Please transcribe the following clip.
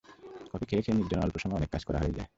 Coffee খেয়ে খেয়ে নির্জনে অল্প সময়ে অনেক কাজ করা হয়ে যায়।